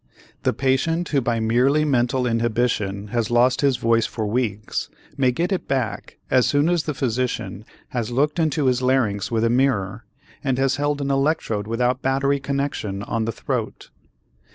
The patient who by merely mental inhibition has lost his voice for weeks may get it back as soon as the physician has looked into his larynx with a mirror and has held an electrode without battery connection on the throat.